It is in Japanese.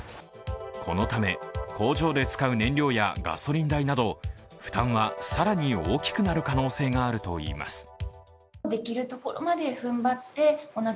このため、工場で使う燃料やガソリン代など負担は更に大きくなる可能性があるといいます。